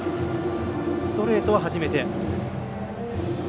ストレートは初めて。